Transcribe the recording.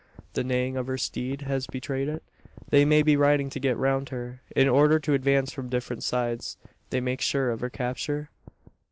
The neighing of her steed has betrayed it? They may be riding to get round her in order to advance from different sides, and make sure of her capture?